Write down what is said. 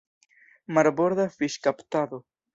Marborda fiŝkaptado.